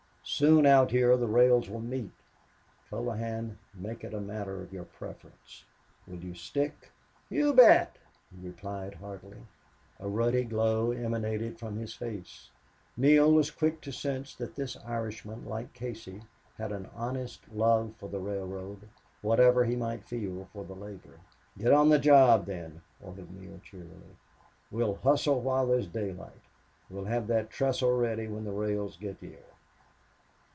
Soon out here the rails will meet.... Colohan, make it a matter of your preference. Will you stick?" "You bet!" he replied, heartily. A ruddy glow emanated from his face. Neale was quick to sense that this Irishman, like Casey, had an honest love for the railroad, whatever he might feel for the labor. "Get on the job, then," ordered Neale, cheerily. "We'll hustle while there's daylight. We'll have that trestle ready when the rails get here."